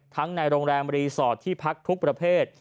ในโรงแรมรีสอร์ทที่พักทุกประเภท